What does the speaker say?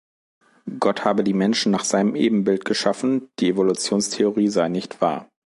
Gott habe die Menschen nach seinem Ebenbild erschaffen, die Evolutionstheorie sei nicht wahr.